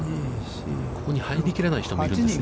ここに入り切らない人もいるんですね。